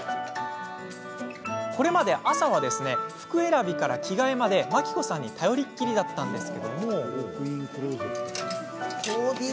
これまで朝は服選びから着替えまで真希子さんに頼りっきりだったのですが。